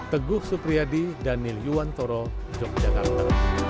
teguh supriyadi daniel yuwantoro yogyakarta